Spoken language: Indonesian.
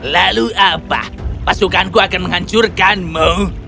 lalu apa pasukanku akan menghancurkanmu